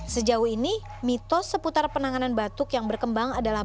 sejauh ini mitos seputar penanganan batuk yang berkembang adalah